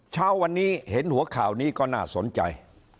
เช้าวันนี้เห็นหัวข่าวนี้ก็น่าสนใจ